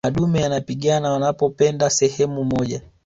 madume yanapigana wanapopenda sehemu moja